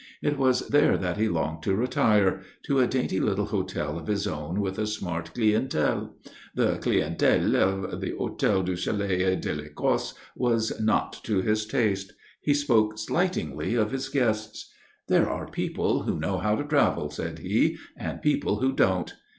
It was there that he longed to retire to a dainty little hotel of his own with a smart clientèle. The clientèle of the Hôtel du Soleil et de l'Ecosse was not to his taste. He spoke slightingly of his guests. "There are people who know how to travel," said he, "and people who don't.